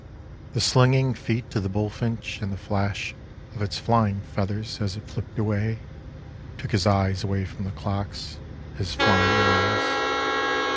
The slinging feet of the bull finch and the flash Of its flying feathers as it flipped away Took his eyes away from the clocks, his flying eyes.